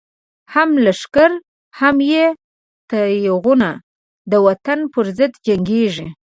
هم لښکر هم یی تیغونه، د وطن پر ضد جنگیږی